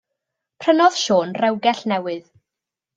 Prynodd Siôn rewgell newydd.